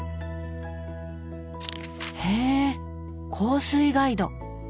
へえ香水ガイド！